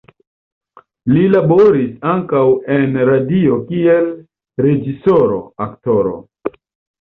Li laboris ankaŭ en radio kiel reĝisoro, aktoro.